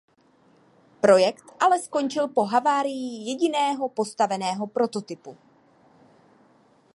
Projekt ale skončil po havárii jediného postaveného prototypu.